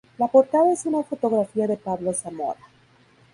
La portada es una fotografía de Pablo Zamora.